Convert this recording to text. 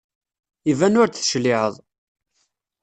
Iban ur d-tecliɛeḍ.